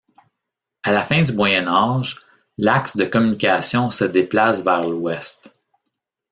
À la fin du Moyen Âge, l'axe de communication se déplace vers l'ouest.